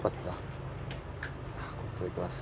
いただきます。